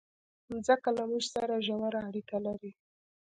مځکه له موږ سره ژوره اړیکه لري.